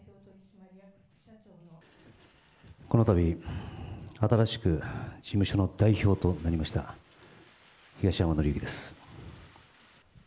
このたび、新しく事務所の代表となりました、東山紀之です。